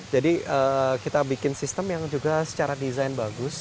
jadi kita bikin sistem yang juga secara desain bagus